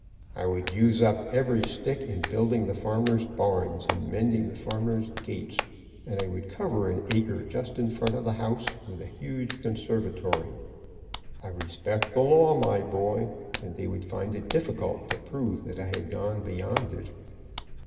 "I would use up every stick in building the farmers' barns and mending the farmers' gates, and I would cover an acre just in front of the house with a huge conservatory. I respect the law, my boy, and they would find it difficult to prove that I had gone beyond it.